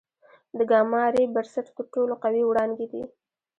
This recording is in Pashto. د ګاما رې برسټ تر ټولو قوي وړانګې دي.